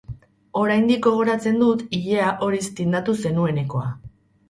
Oraindik gogoratzen dut ilea horiz tindatu zenuenekoa.